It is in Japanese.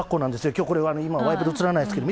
きょう、これはワイプで映らないですけど。